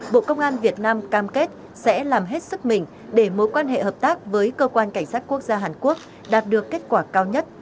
bộ công an việt nam cam kết sẽ làm hết sức mình để mối quan hệ hợp tác với cơ quan cảnh sát quốc gia hàn quốc đạt được kết quả cao nhất